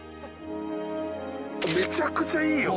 めちゃくちゃいいよ。